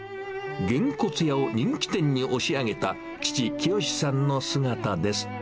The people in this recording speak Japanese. げんこつ屋を人気店に押し上げた父、清さんの姿です。